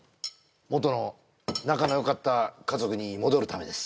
もとの仲のよかった家族に戻るためです